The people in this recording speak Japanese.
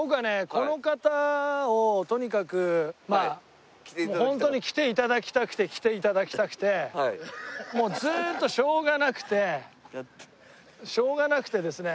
この方をとにかくもうホントに来て頂きたくて来て頂きたくてもうずーっとしょうがなくてしょうがなくてですね